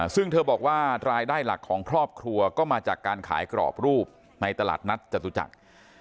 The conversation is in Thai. ซึ่งเธอบอกว่ารายได้หลักของครอบครัวก็มาจากการขายกรอบรูปในตลาดนัดจตุจักร